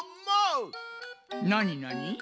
なになに？